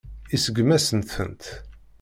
Iseggem-asent-tent.